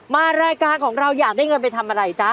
มารายการของเราอยากได้เงินไปทำอะไรจ๊ะ